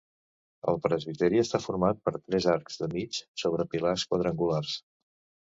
El presbiteri està format per tres arcs de mig sobre pilars quadrangulars.